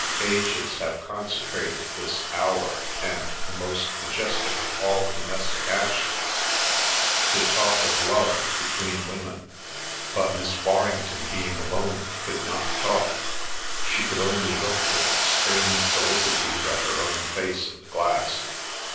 Ages have consecrated this hour, and the most majestic of all domestic actions, to talk of love between women; but Miss Warrington being alone could not talk; she could only look with extreme solicitude at her own face in the glass.